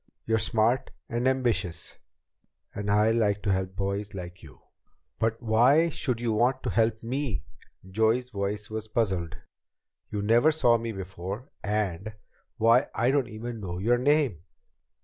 You're smart and ambitious, and I like to help boys like you." "But why should you want to help me?" Joey's voice was puzzled. "You never saw me before. And Why, I don't even know your name."